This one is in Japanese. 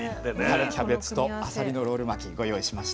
春キャベツとあさりのロール巻きご用意しました。